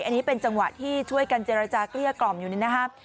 อันนี้เป็นจังหวะที่ช่วยกันเจรจาเกลี้ยกล่อมอยู่นี่นะครับ